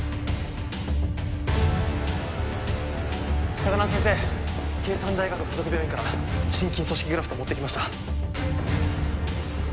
高輪先生京山大学付属病院から心筋組織グラフト持ってきました